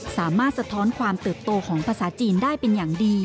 สะท้อนความเติบโตของภาษาจีนได้เป็นอย่างดี